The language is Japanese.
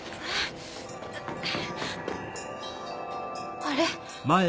あれ？